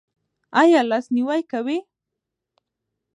ایا لاس نیوی کوئ؟